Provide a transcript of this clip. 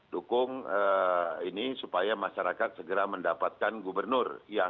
dukung ini supaya masyarakat segera mendapatkan gubernur